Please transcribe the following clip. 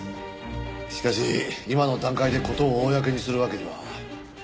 しかし今の段階で事を公にするわけには。